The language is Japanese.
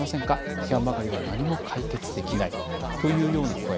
批判ばかりでは何も解決できないというような声。